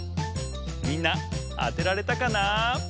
みんなあてられたかな？